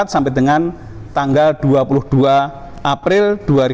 sampai dengan tanggal dua puluh dua april dua ribu dua puluh